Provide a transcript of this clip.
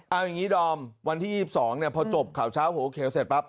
เอาอย่างงี้ดอมวันที่ยี่สิบสองเนี่ยพอจบข่าวเช้าหัวเขียวเสร็จปั๊บ